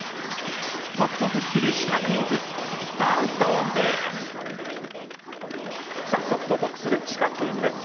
解くと得するシカクイズスタートです！